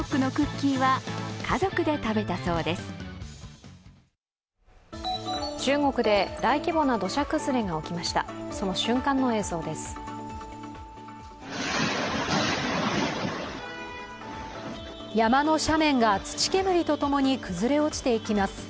山の斜面が土煙とともに崩れ落ちていきます。